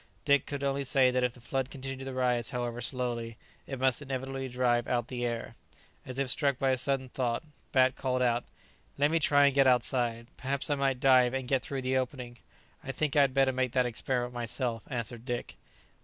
Dick could only say that if the flood continued to rise, however slowly, it must inevitably drive out the air. As if struck by a sudden thought, Bat called out, "Let me try and get outside. Perhaps I might dive and get through the opening." "I think I had better make that experiment myself," answered Dick.